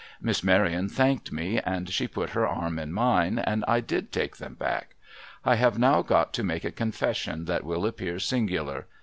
Miss Maryon thanked me, and she imt her arm in mine, and I did take them back. I have now got to make a confession that will appear singular.